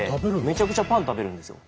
めちゃくちゃパン食べるんですよ。